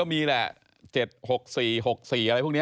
มีความว่ายังไง